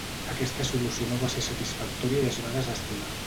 Aquesta solució no va ser satisfactòria i es va desestimar.